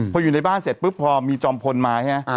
พออยู่ในบ้านเสร็จปุ๊บพอมีจอมพลมาใช่ไหม